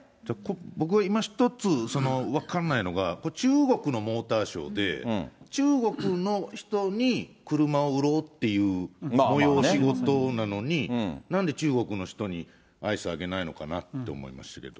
僕、いま一つ、分かんないのが、これ、中国のモーターショーで、中国の人に車を売ろうっていう催し事なのに、なんで中国の人にアイスあげないのかなって思いましたけど。